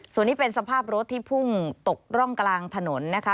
ส่วนนี้เป็นสภาพรถที่พุ่งตกร่องกลางถนนนะคะ